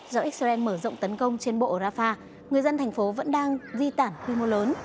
do israel mở rộng tấn công trên bộ ở rafah người dân thành phố vẫn đang di tản quy mô lớn